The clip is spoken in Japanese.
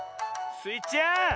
スイちゃん！